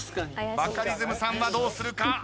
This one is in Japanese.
バカリズムさんはどうするか？